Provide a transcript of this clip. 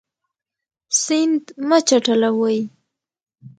سیند مه چټلوئ.